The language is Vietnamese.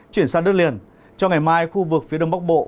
chuyển sang đất liền trong ngày mai khu vực phía đông bắc bộ